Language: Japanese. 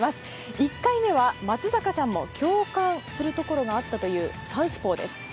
１回目は松坂さんも共感するところがあったというサウスポーです。